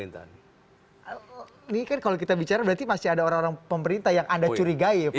ini kan kalau kita bicara berarti masih ada orang orang pemerintah yang anda curigai ya pak